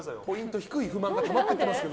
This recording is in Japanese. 低い不満がたまってますけど。